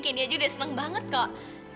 kini aja udah seneng banget kok